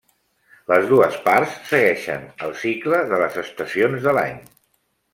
Les dues parts segueixen el cicle de les estacions de l'any.